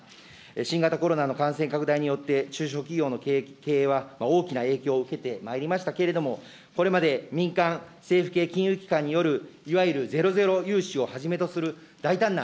新型コロナの感染拡大によって、中小企業の経営は大きな影響を受けてまいりましたけれども、これまで民間、政府系金融機関によるいわゆるゼロゼロ融資をはじめとする大胆な